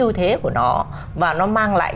ưu thế của nó và nó mang lại